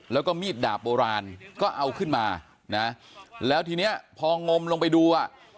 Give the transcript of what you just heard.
แล้วก็มีดดาบโบราณก็เอาขึ้นมานะแล้วทีเนี้ยพองมลงไปดูอ่ะ